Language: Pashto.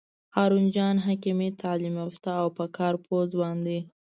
هارون جان حکیمي تعلیم یافته او په کار پوه ځوان دی.